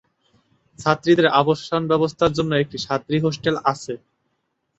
ছাত্রীদের আবাসন ব্যবস্থার জন্য একটি ছাত্রী হোস্টেল আছে।